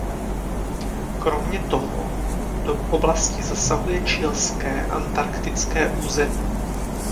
Kromě toho do oblasti zasahuje Chilské antarktické území.